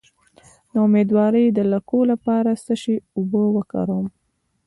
د امیدوارۍ د لکو لپاره د څه شي اوبه وکاروم؟